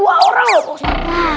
dua orang pak ustadz